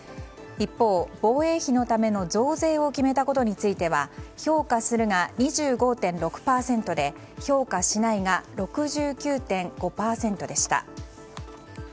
一方、防衛費のための増税を決めたことについては評価するが２５．６％で評価しないが６９．５％でした。